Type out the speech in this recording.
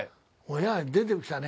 親出てきたね